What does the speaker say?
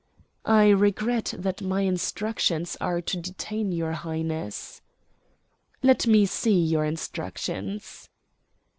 "I regret that my instructions are to detain your Highness." "Let me see your instructions."